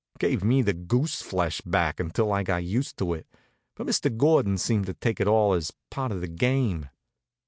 Gave me the goose flesh back until I got used to it; but Mr. Gordon seemed to take it all as part of the game.